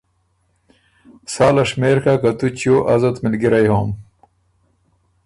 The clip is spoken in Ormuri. ساله شمېر کَۀ که تُو چیو ازت ملګِرئ هوم